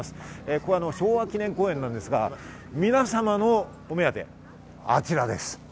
ここは昭和記念公園なんですが皆さまのお目当て、あちらです。